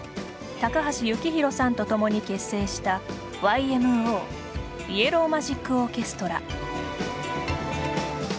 高橋幸宏さんと共に結成したＹＭＯ＝イエロー・マジック・オーケストラ。